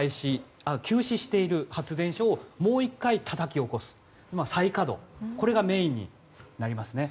休止している発電所をもう１回たたき起こす再稼働がメインになりますね。